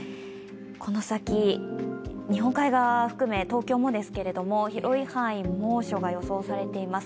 この先、日本海側を含め東京もですけど広い範囲、猛暑が予想されています。